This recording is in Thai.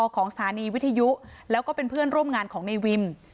ของสถานีวิทยุแล้วก็เป็นเพื่อนร่วมงานของในวิม